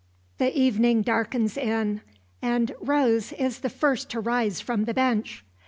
The evening darkens in, and Rose is the first to rise from the bench.